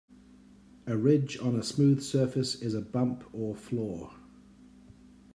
A ridge on a smooth surface is a bump or flaw.